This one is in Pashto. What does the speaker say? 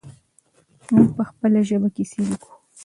موږ په خپله ژبه کیسې لیکو.